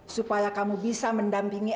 supaya kamu bisa mendampingi